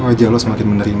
idea lo semakin menarik